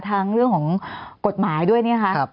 ทั้งเรื่องของกฎหมายด้วยนะคะ